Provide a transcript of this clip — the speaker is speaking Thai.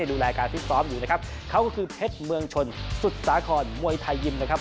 ดูแลการฟิตซ้อมอยู่นะครับเขาก็คือเพชรเมืองชนสุดสาครมวยไทยยิมนะครับ